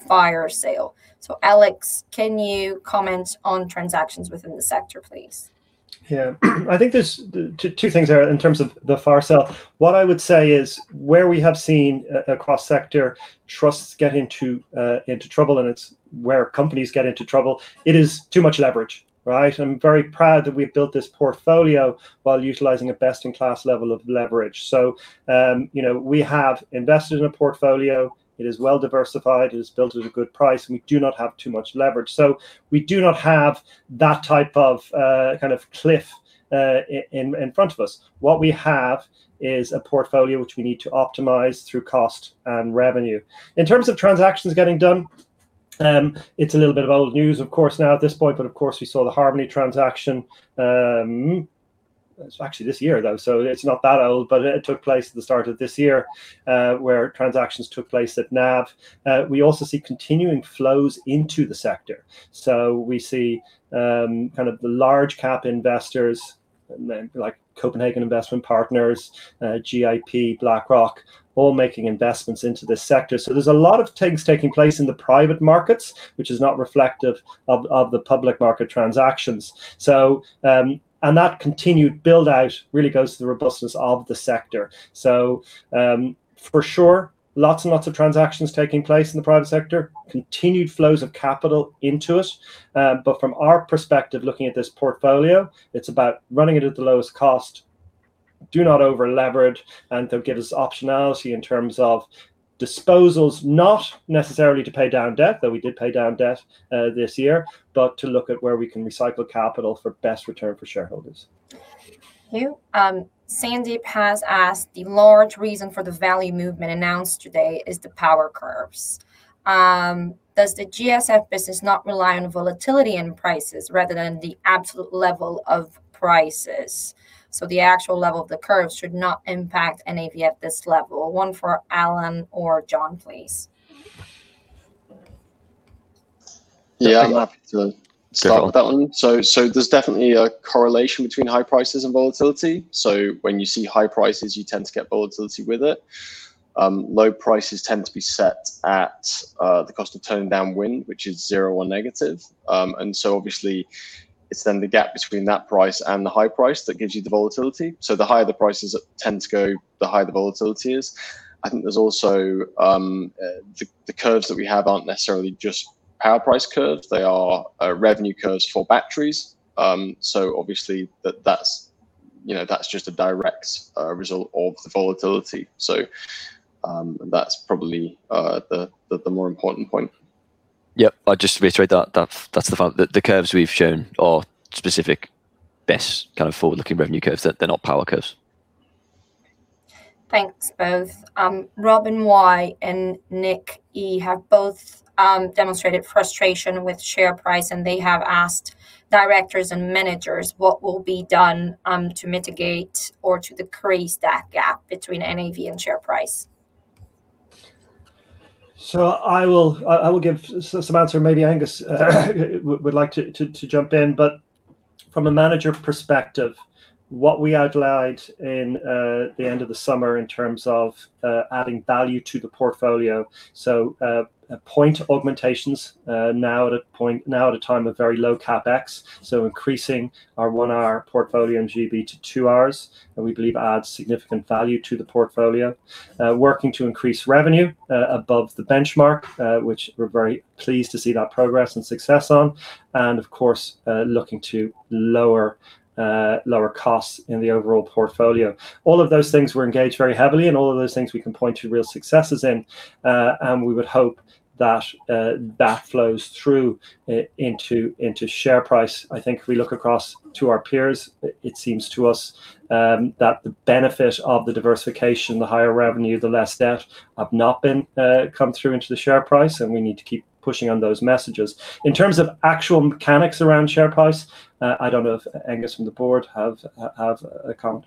fire sale? So Alex, can you comment on transactions within the sector, please? Yeah. I think there's two things there in terms of the fire sale. What I would say is where we have seen across sector trusts get into trouble, and it's where companies get into trouble, it is too much leverage. Right? I'm very proud that we've built this portfolio while utilizing a best-in-class level of leverage. So we have invested in a portfolio. It is well diversified. It is built at a good price. We do not have too much leverage. So we do not have that type of kind of cliff in front of us. What we have is a portfolio which we need to optimize through cost and revenue. In terms of transactions getting done, it's a little bit of old news, of course, now at this point. But, of course, we saw the Harmony transaction. It's actually this year, though. So it's not that old, but it took place at the start of this year where transactions took place at NAV. We also see continuing flows into the sector. So we see kind of the large-cap investors like Copenhagen Infrastructure Partners, GIP, BlackRock, all making investments into this sector. So there's a lot of things taking place in the private markets, which is not reflective of the public market transactions. And that continued build-out really goes to the robustness of the sector. So for sure, lots and lots of transactions taking place in the private sector, continued flows of capital into it. But from our perspective, looking at this portfolio, it's about running it at the lowest cost, do not over-leverage, and to give us optionality in terms of disposals, not necessarily to pay down debt, though we did pay down debt this year, but to look at where we can recycle capital for best return for shareholders. Sandy has asked, "The large reason for the value movement announced today is the power curves. Does the GSF business not rely on volatility in prices rather than the absolute level of prices? So the actual level of the curve should not impact NAV at this level." One for Alan or John, please. Yeah. I'm happy to start with that one. So there's definitely a correlation between high prices and volatility. So when you see high prices, you tend to get volatility with it. Low prices tend to be set at the cost of turning down wind, which is zero or negative. And so obviously, it's then the gap between that price and the high price that gives you the volatility. So the higher the prices tend to go, the higher the volatility is. I think there's also the curves that we have aren't necessarily just power price curves. They are revenue curves for batteries. So obviously, that's just a direct result of the volatility. So that's probably the more important point. Yep. Just to reiterate that, the curves we've shown are specific, best kind of forward-looking revenue curves. They're not power curves. Thanks, both. Robin Y and Nick E have both demonstrated frustration with share price, and they have asked directors and managers what will be done to mitigate or to decrease that gap between NAV and share price. So I will give some answer. Maybe Angus would like to jump in. But from a manager perspective, what we outlined in the end of the summer in terms of adding value to the portfolio, so point augmentations now at a time of very low CapEx. So increasing our one-hour portfolio in GB to two hours, and we believe adds significant value to the portfolio. Working to increase revenue above the benchmark, which we're very pleased to see that progress and success on. And, of course, looking to lower costs in the overall portfolio. All of those things we're engaged very heavily, and all of those things we can point to real successes in. And we would hope that that flows through into share price. I think if we look across to our peers, it seems to us that the benefit of the diversification, the higher revenue, the less debt have not come through into the share price, and we need to keep pushing on those messages. In terms of actual mechanics around share price, I don't know if Angus from the board have a comment.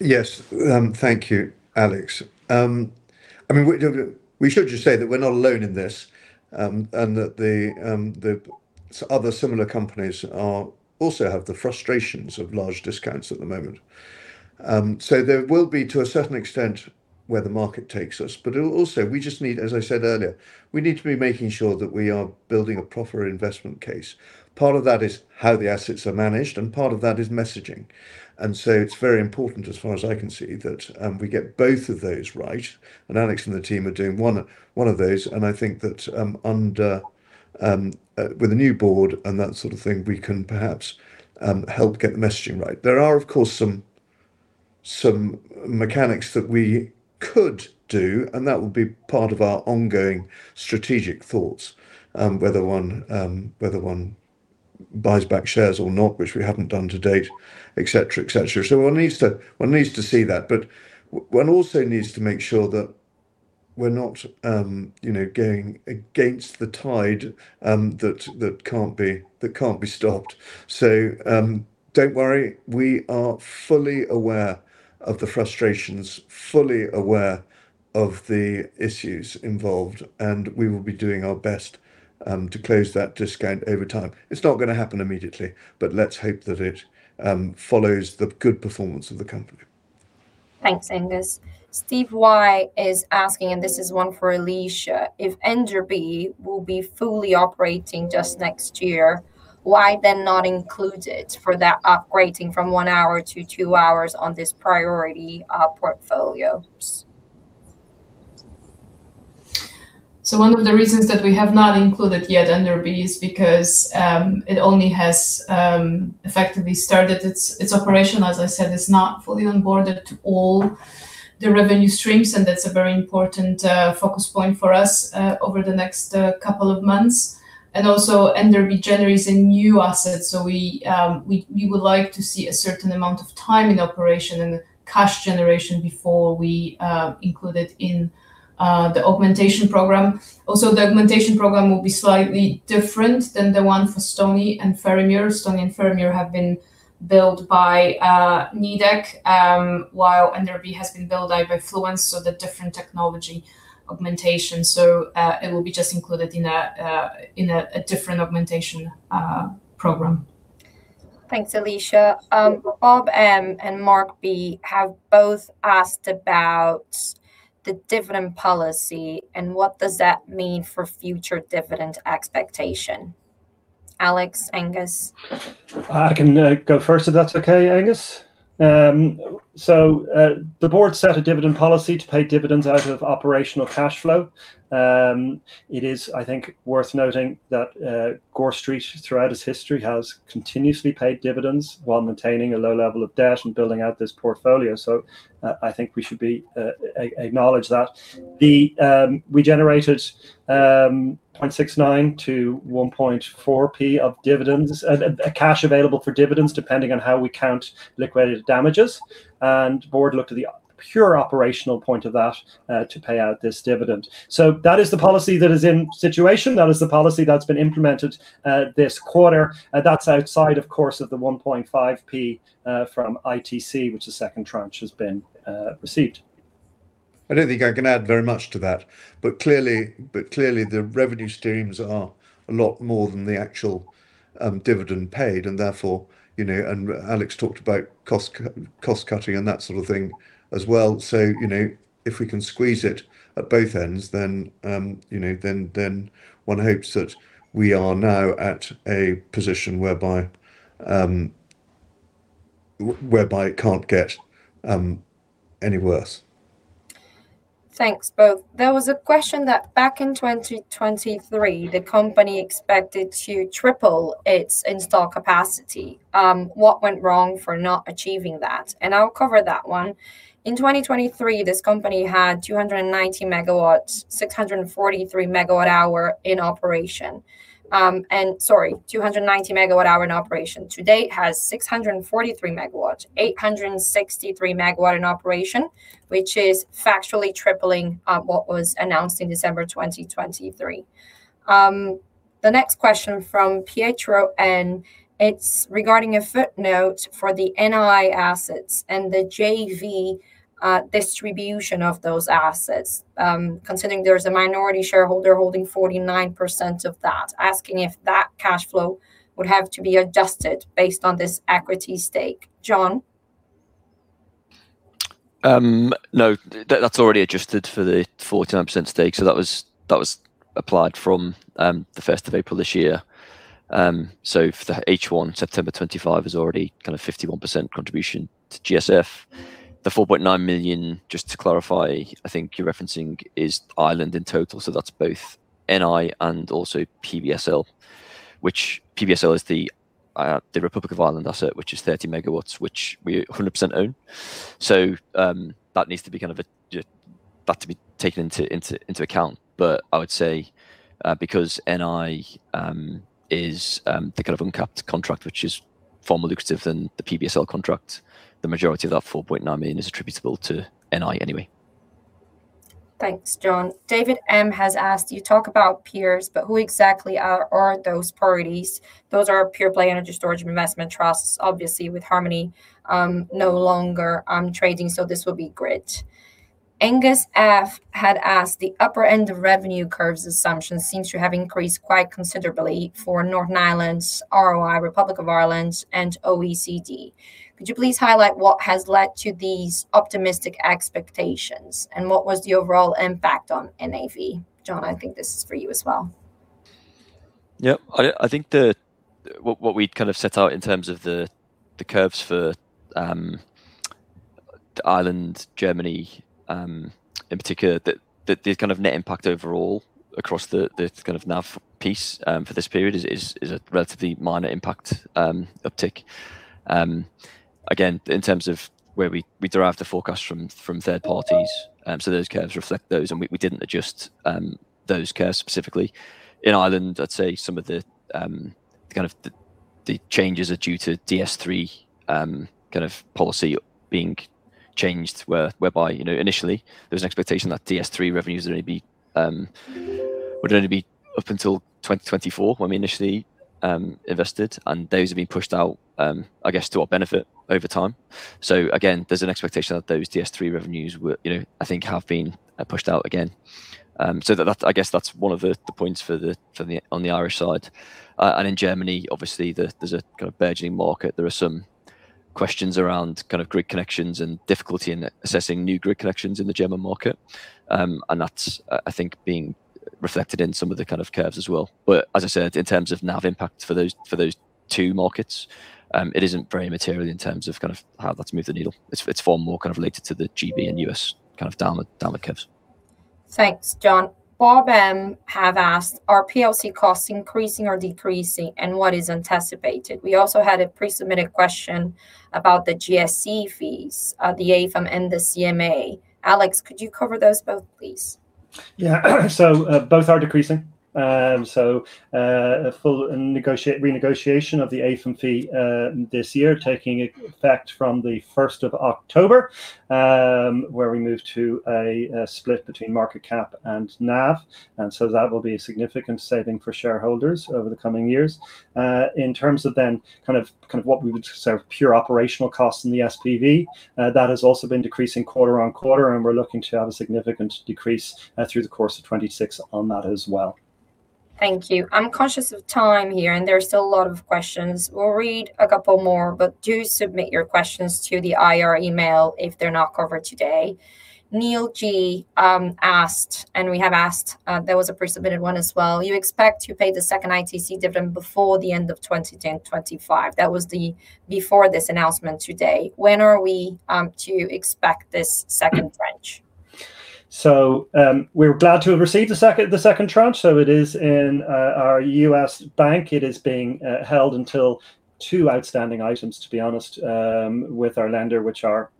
Yes. Thank you, Alex. I mean, we should just say that we're not alone in this and that the other similar companies also have the frustrations of large discounts at the moment. So there will be, to a certain extent, where the market takes us. But also, we just need, as I said earlier, we need to be making sure that we are building a proper investment case. Part of that is how the assets are managed, and part of that is messaging. And so it's very important, as far as I can see, that we get both of those right. And Alex and the team are doing one of those. And I think that with a new board and that sort of thing, we can perhaps help get the messaging right. There are, of course, some mechanics that we could do, and that will be part of our ongoing strategic thoughts, whether one buys back shares or not, which we haven't done to date, etc., etc. So one needs to see that, but one also needs to make sure that we're not going against the tide that can't be stopped. So don't worry. We are fully aware of the frustrations, fully aware of the issues involved, and we will be doing our best to close that discount over time. It's not going to happen immediately, but let's hope that it follows the good performance of the company. Thanks, Angus. Steve Y is asking, and this is one for Alicia, if Enderby will be fully operating just next year, why then not include it for that upgrading from one hour to two hours on this priority portfolio? So one of the reasons that we have not included yet Enderby is because it only has effectively started its operation. As I said, it's not fully onboarded to all the revenue streams, and that's a very important focus point for us over the next couple of months. And also, Enderby generates a new asset. We would like to see a certain amount of time in operation and cash generation before we include it in the augmentation program. Also, the augmentation program will be slightly different than the one for Stony and Ferrymuir. Stony and Ferrymuir have been built by Nidec, while Enderby has been built by Fluence. So the different technology augmentation. So it will be just included in a different augmentation program. Thanks, Alicia. Bob M and Mark B have both asked about the dividend policy and what does that mean for future dividend expectation. Alex, Angus? I can go first if that's okay, Angus. The board set a dividend policy to pay dividends out of operational cash flow. It is, I think, worth noting that Gore Street throughout its history has continuously paid dividends while maintaining a low level of debt and building out this portfolio. So I think we should acknowledge that. We generated 0.69p-1.4p of dividends, cash available for dividends depending on how we count liquidated damages. And the board looked at the pure operational point of that to pay out this dividend. So that is the policy that is in situation. That is the policy that's been implemented this quarter. That's outside, of course, of the 1.5p from ITC, which the second tranche has been received. I don't think I can add very much to that. But clearly, the revenue streams are a lot more than the actual dividend paid. And therefore, Alex talked about cost-cutting and that sort of thing as well. So if we can squeeze it at both ends, then one hopes that we are now at a position whereby it can't get any worse. Thanks, both. There was a question that back in 2023, the company expected to triple its installed capacity. What went wrong for not achieving that? And I'll cover that one. In 2023, this company had 290 MW, 643 MW-hours in operation. And sorry, 290 MW-hours in operation. Today, it has 643 MW, 863 MW-hours in operation, which is factually tripling what was announced in December 2023. The next question from Pietro N. It's regarding a footnote for the NI assets and the JV distribution of those assets, considering there's a minority shareholder holding 49% of that, asking if that cash flow would have to be adjusted based on this equity stake. John? No, that's already adjusted for the 49% stake. So that was applied from the 1st of April this year. So for year end, September 25 is already kind of 51% contribution to GSF. The 4.9 million, just to clarify, I think you're referencing is Ireland in total. So that's both NI and also PBSL, which PBSL is the Republic of Ireland asset, which is 30 MW, which we 100% own. So that needs to be kind of that to be taken into account. But I would say because NI is the kind of uncapped contract, which is far more lucrative than the PBSL contract, the majority of that 4.9 million is attributable to NI anyway. Thanks, John. David M has asked, "You talk about peers, but who exactly are those parties?" Those are pure-play energy storage and investment trusts, obviously, with Harmony no longer trading. So this will be GRID. Angus F had asked, "The upper end of revenue curve's assumptions seems to have increased quite considerably for Northern Ireland, ROI, Republic of Ireland, and GB. Could you please highlight what has led to these optimistic expectations and what was the overall impact on NAV?" John, I think this is for you as well. Yep. I think what we kind of set out in terms of the curves for Ireland, Germany, in particular, that the kind of net impact overall across the kind of NAV piece for this period is a relatively minor impact uptick. Again, in terms of where we derived the forecast from third parties, so those curves reflect those, and we didn't adjust those curves specifically. In Ireland, I'd say some of the kind of the changes are due to DS3 kind of policy being changed, whereby initially, there was an expectation that DS3 revenues would only be up until 2024 when we initially invested, and those have been pushed out, I guess, to our benefit over time. So again, there's an expectation that those DS3 revenues, I think, have been pushed out again. So I guess that's one of the points on the Irish side. And in Germany, obviously, there's a kind of burgeoning market. There are some questions around kind of grid connections and difficulty in assessing new grid connections in the German market. And that's, I think, being reflected in some of the kind of curves as well. But as I said, in terms of NAV impact for those two markets, it isn't very material in terms of kind of how that's moved the needle. It's far more kind of related to the GB and US kind of downward curves. Thanks, John. Bob M have asked, "Are PLC costs increasing or decreasing, and what is anticipated?" We also had a pre-submitted question about the GSC fees, the AIFM and the CMA. Alex, could you cover those both, please? Yeah. So both are decreasing. So renegotiation of the AIFM fee this year taking effect from the 1st of October, where we move to a split between market cap and NAV. And so that will be a significant saving for shareholders over the coming years. In terms of then kind of what we would consider pure operational costs in the SPV, that has also been decreasing quarter on quarter, and we're looking to have a significant decrease through the course of 2026 on that as well. Thank you. I'm conscious of time here, and there are still a lot of questions. We'll read a couple more, but do submit your questions to the IR email if they're not covered today. Neil G asked, and we have asked, there was a pre-submitted one as well. You expect to pay the second ITC dividend before the end of 2025. That was before this announcement today. When are we to expect this second tranche? So we're glad to have received the second tranche. So it is in our U.S. bank. It is being held until two outstanding items, to be honest, with our lender, which are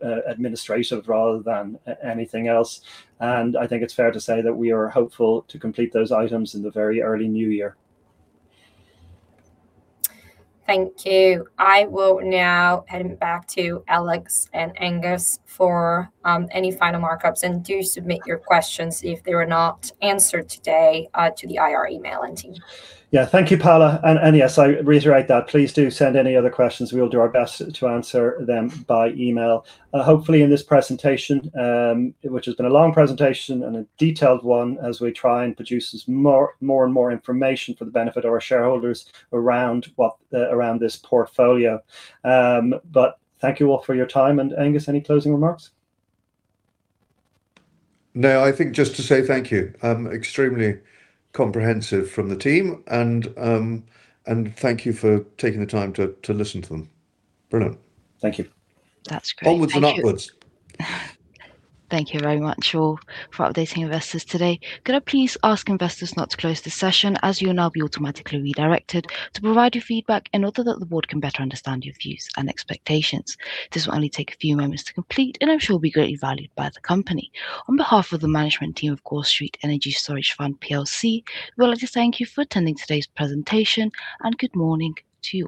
administrative rather than anything else. And I think it's fair to say that we are hopeful to complete those items in the very early new year. Thank you. I will now head back to Alex and Angus for any final remarks and do submit your questions if they were not answered today to the IR email and team. Yeah. Thank you, Paula. And yes, I reiterate that. Please do send any other questions. We will do our best to answer them by email. Hopefully, in this presentation, which has been a long presentation and a detailed one as we try and produce more and more information for the benefit of our shareholders around this portfolio. But thank you all for your time. And Angus, any closing remarks? No, I think just to say thank you. Extremely comprehensive from the team. And thank you for taking the time to listen to them. Brilliant. Thank you. That's great. Onwards and upwards. Thank you very much all for updating investors today. Could I please ask investors not to close the session as you'll now be automatically redirected to provide your feedback in order that the board can better understand your views and expectations? This will only take a few moments to complete, and I'm sure it will be greatly valued by the company. On behalf of the management team of Gore Street Energy Storage Fund PLC, we would like to thank you for attending today's presentation. And good morning to.